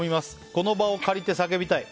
この場を借りて叫びたい。